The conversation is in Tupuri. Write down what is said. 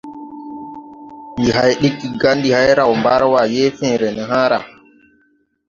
Ndi hãy diggi ga ndi hay raw Marua yee fẽẽre ne hããra.